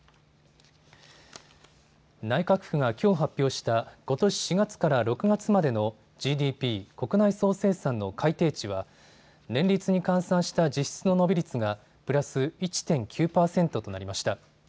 内閣府がきょう発表したことし４月から６月までのＧＤＰ・国内総生産の改定値は年率に換算した実質の伸び率がプラス１．９％となりました。